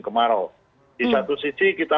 kemarau di satu sisi kita